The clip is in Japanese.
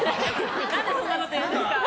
何でそんなこと言うんですか！